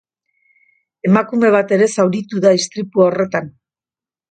Emakume bat ere zauritu da istripu horretan.